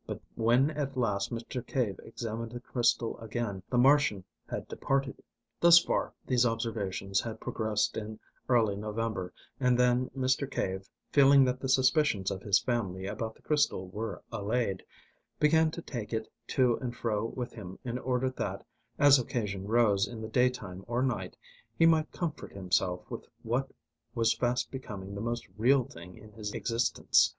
But when at last Mr. Cave examined the crystal again the Martian had departed. Thus far these observations had progressed in early November, and then Mr. Cave, feeling that the suspicions of his family about the crystal were allayed, began to take it to and fro with him in order that, as occasion arose in the daytime or night, he might comfort himself with what was fast becoming the most real thing in his existence.